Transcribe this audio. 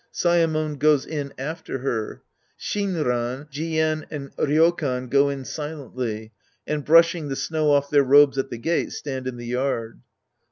(Saemon goes in after her. Shinran, Jien and Ryokan go in silently and, brushing the snow off their robes at the gate, stand in the yard.)